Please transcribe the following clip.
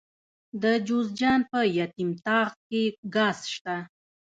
د جوزجان په یتیم تاغ کې ګاز شته.